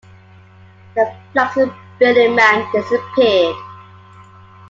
The flaxen-bearded man disappeared.